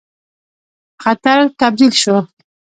خطر تبدیل شو.